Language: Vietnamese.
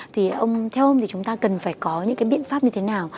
thì ông theo ông thì chúng ta cần phải có những cái biện pháp như thế nào